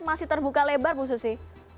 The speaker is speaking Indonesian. masih terbuka lebar bu susi